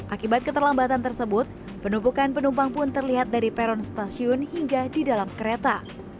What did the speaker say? akibat keterlambatan tersebut penumpukan penumpang pun terlihat dari peron stasiun hingga di dalam kereta